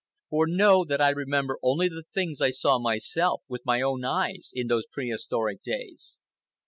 For know that I remember only the things I saw myself, with my own eyes, in those prehistoric days.